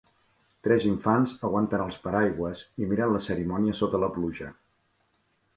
Tres infants aguanten els paraigües i miren la cerimònia sota la pluja.